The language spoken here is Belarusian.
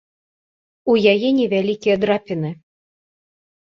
У яе невялікія драпіны.